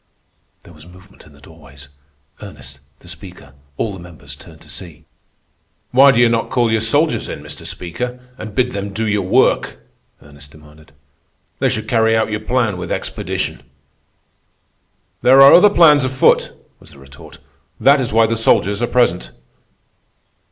There was movement in the doorways. Ernest, the Speaker, all the members turned to see. "Why do you not call your soldiers in, Mr. Speaker, and bid them do their work?" Ernest demanded. "They should carry out your plan with expedition." "There are other plans afoot," was the retort. "That is why the soldiers are present."